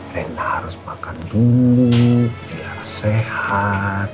kita harus makan dulu biar sehat